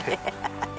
ハハハ。